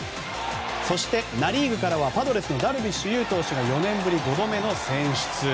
そして、ナ・リーグからはパドレスのダルビッシュ有投手が４年ぶり５度目の選出。